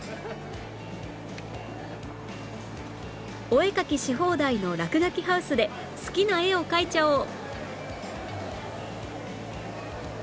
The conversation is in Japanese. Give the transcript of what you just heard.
お絵かきし放題のらくがきハウスで好きな絵を描いちゃおう！